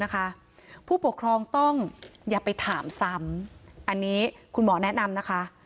ผู้ปกครองต้องอย่าไปถามซ้ำอันนี้คุณหมอแนะนำนะคะ